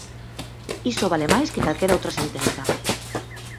Iso vale máis que calquera outra sentenza.